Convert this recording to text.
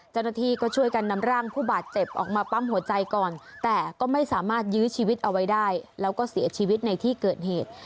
ชีวิตเอาไว้ได้แล้วก็เสียชีวิตในที่เกิดเหตุ